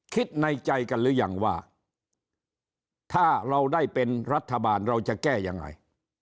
คิดในใจกันหรือยังว่าถ้าเราได้เป็นรัฐบาลเราจะแก้ยังไง